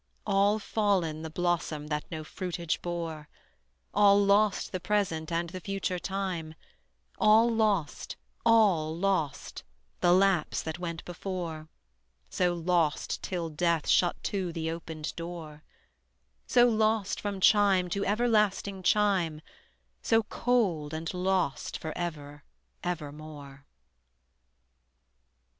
All fallen the blossom that no fruitage bore, All lost the present and the future time, All lost, all lost, the lapse that went before: So lost till death shut to the opened door, So lost from chime to everlasting chime, So cold and lost forever evermore.